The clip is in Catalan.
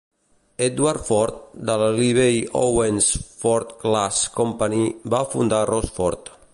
Edward Ford, de la Libbey-Owens-Ford Glass Company, va fundar Rossford.